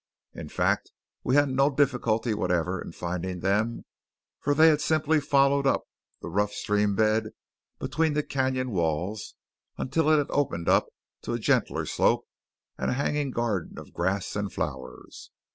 In fact we had no difficulty whatever in finding them for they had simply followed up the rough stream bed between the cañon walls until it had opened up to a gentler slope and a hanging garden of grass and flowers.